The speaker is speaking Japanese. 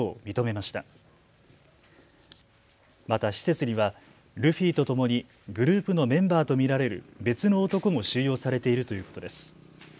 また施設にはルフィとともにグループのメンバーと見られる別の男も収容されているということです。